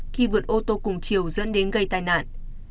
khi vượt ô tô cùng chiều dẫn đến gây tai nạn